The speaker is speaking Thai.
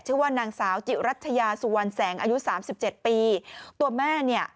ชื่อว่านางสาวจิ๋วรัชยาสุวรรณแสงอายุ๓๗ปีตัวแม่เนี่ย